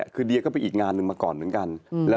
คือเดียก็ไปอีกงานหนึ่งมาก่อนเหมือนกัน